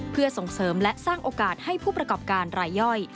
เพื่อส่งเสริมและสร้างโอกาสให้ผู้ประกอบการรายย่อย